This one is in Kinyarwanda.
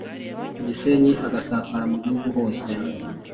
ku Gisenyi agasakara mu gihugu hose.”